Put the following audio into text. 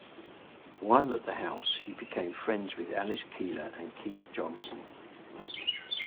While at the house, he became friends with Alice Keeler and Keith Johnson.